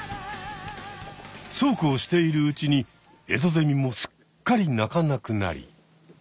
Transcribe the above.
そうこうしているうちにエゾゼミもすっかり鳴かなくなり。